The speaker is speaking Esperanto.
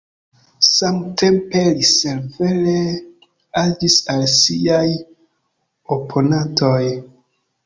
Samtempe li severe agis al siaj oponantoj.